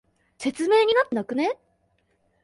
説明になってなくね？